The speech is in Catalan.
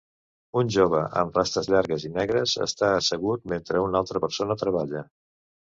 Un jove amb rastes llargues i negres està assegut mentre una altra persona treballa.